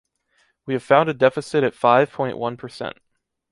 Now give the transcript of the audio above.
We have found a deficit at five point one percent.